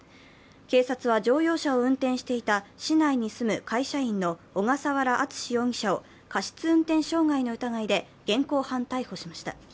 警察は、乗用車を運転していた市内に住む会社員の小笠原篤容疑者を過失運転致傷の疑いで現行犯逮捕しました。